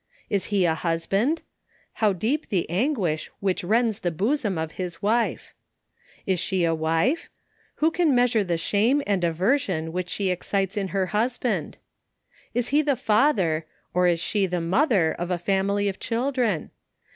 Is he a husband ? How deep the anguish which rends the hosom of his wife ! Is she a wife ? Who can measure the shame and aver sion which she excites in her husband ? Is he the father, or is she the mother of a family of children